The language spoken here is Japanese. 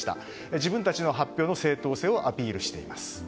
自分たちの発表の正当性をアピールしています。